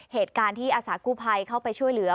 เหตุการณ์ที่อาสากู้ภัยเข้าไปช่วยเหลือ